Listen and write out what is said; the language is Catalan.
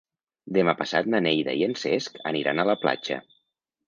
Demà passat na Neida i en Cesc aniran a la platja.